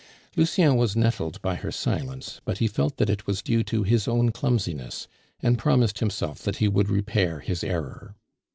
Lucien was nettled by her silence, but he felt that it was due to his own clumsiness, and promised himself that he would repair his error.